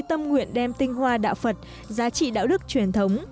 tâm nguyện đem tinh hoa đạo phật giá trị đạo đức truyền thống